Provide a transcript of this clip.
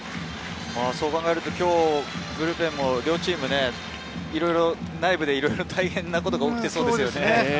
そう考えると、今日はブルペン両チーム、いろいろ内部で大変なことが起きてそうですよね。